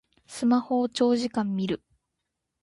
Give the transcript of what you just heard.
スマホを長時間みる